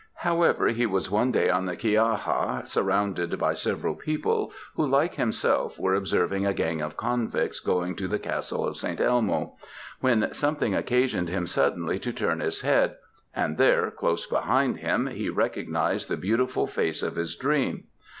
However, he was one day on the Chiaja, surrounded by several people, who like himself, were observing a gang of convicts going to the Castle of St. Elmo; when something occasioned him suddenly to turn his head, and there, close behind him, he recognized the beautiful face of his dream.